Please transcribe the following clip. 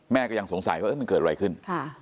แม่ก็ยังสงสัยว่ามันเกิดอะไรขึ้น